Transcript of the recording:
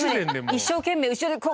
一生懸命後ろでこう。